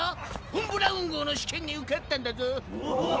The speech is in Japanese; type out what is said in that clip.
フォン・ブラウン号の試験に受かったんだぞ。